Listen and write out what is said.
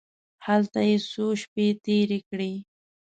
هلته یې څو شپې تېرې کړې.